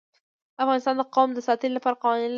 افغانستان د قومونه د ساتنې لپاره قوانین لري.